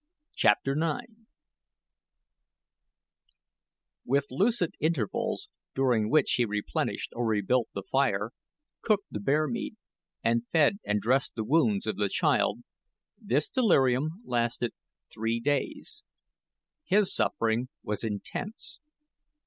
CHAPTER IX With lucid intervals, during which he replenished or rebuilt the fire, cooked the bear meat, and fed and dressed the wounds of the child, this delirium lasted three days. His suffering was intense.